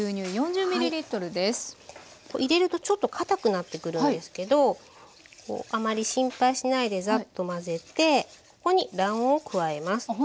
入れるとちょっと堅くなってくるんですけどあまり心配しないでザッと混ぜてここに卵黄を加えます。